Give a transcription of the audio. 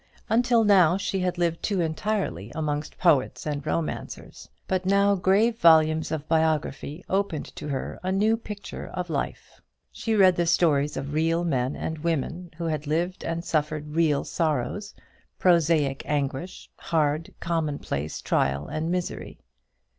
Until now she had lived too entirely amongst poets and romancers; but now grave volumes of biography opened to her a new picture of life. She read the stories of real men and women, who had lived and suffered real sorrows, prosaic anguish, hard commonplace trial and misery.